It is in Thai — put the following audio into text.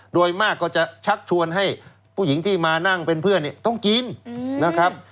โดยมากก็จะชักชวนให้ผู้หญิงที่มานั่งเป็นเพื่อนเนี่ยต้องกินนะครับ